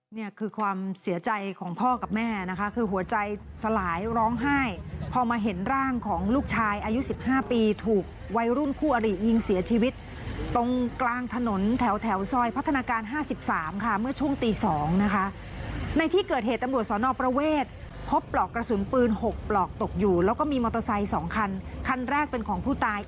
เนี่ยคือความเสียใจของพ่อกับแม่นะคะคือหัวใจสลายร้องไห้พอมาเห็นร่างของลูกชายอายุ๑๕ปีถูกวัยรุ่นคู่อริยิงเสียชีวิตตรงกลางถนนแถวซอยพัฒนาการ๕๓ค่ะเมื่อช่วงตี๒นะคะในที่เกิดเหตุตำรวจสอนอประเวทพบปลอกกระสุนปืน๖ปลอกตกอยู่แล้วก็มีมอเตอร์ไซค์๒คันคันแรกเป็นของผู้ตาย